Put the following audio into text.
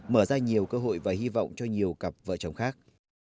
mở ra nhiều cơ hội và hy vọng cho nhiều cặp vợ chồng khác